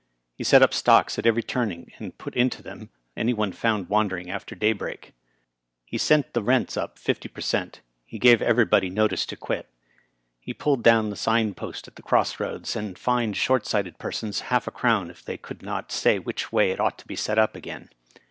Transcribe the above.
He set up stocks at every turning, and put into them any one found wandering after daybreak. He sent the rents up fifty per cent. He gave everybody notice to quit. He pulled down the sign post at the cross roads, and fined short sighted persons half a crown if they could not say which way it ought to be set up again.